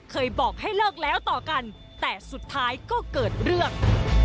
เคยบอกให้เลิกแล้วต่อกันแต่สุดท้ายก็เกิดเรื่อง